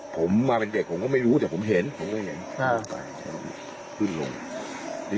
ผมมาเป็นเด็กผมไม่รู้แต่ผมเห็น